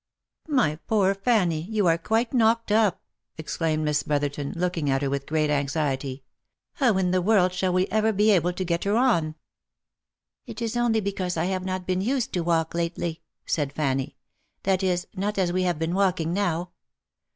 " My poor Fanny, you are quite knocked up !" exclaimed Miss Brotherton, looking at her with great anxiety. " How in the world shall we ever be able to get her on ?"" It is only because I have not been used to walk lately," said Fanny ;" that is, not as we have been walking now.